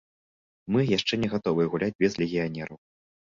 Мы яшчэ не гатовыя гуляць без легіянераў.